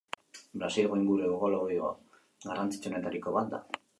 Brasilgo inguru ekologiko garrantzitsuenetariko bat da.